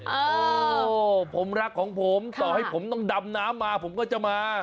โอ้โหผมรักของผมต่อให้ผมต้องดำน้ำมาผมก็จะมา